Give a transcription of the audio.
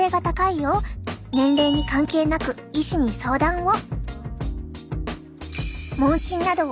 年齢に関係なく医師に相談を。